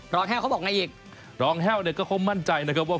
รองแฮลเขาบอกไงอีกรองแฮลก็คงมั่นใจนะครับว่า